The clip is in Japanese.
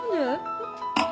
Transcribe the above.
えっ。